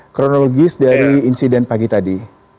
kronologis dari insiden pagi tadi